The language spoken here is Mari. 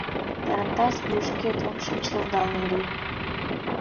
Тарантас вуйышкет ом шинчылдал ыле.